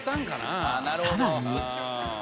さらに。